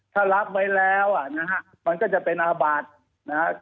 ถ้ารับไว้แล้วมันก็จะเป็นอาบาล